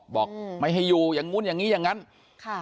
บอกไม่ให้อยู่อย่างนู้นอย่างงี้อย่างงั้นค่ะ